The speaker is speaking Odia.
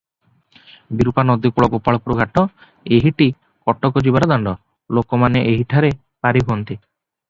ବିରୂପା ନଦୀକୂଳ-ଗୋପାଳପୁର ଘାଟ, ଏହିଟି କଟକ ଯିବାର ଦାଣ୍ତ; ଲୋକମାନେ ଏହିଠାରେ ପାରି ହୁଅନ୍ତି ।